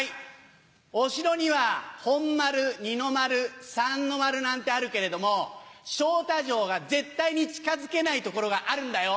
お城には本丸、二の丸、三の丸なんてあるけれども、昇太城が絶対に近づけない所があるんだよ。